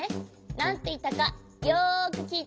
なんていったかよくきいてね。